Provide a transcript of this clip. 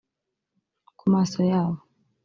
Ku maso yabo